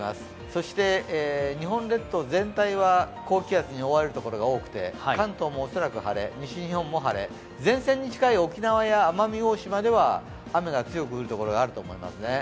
そして日本列島全体は高気圧に覆われる所が多くて関東も恐らく晴れ、西日本も晴れ、前線に近い沖縄や奄美大島では雨が強く降る所があると思います。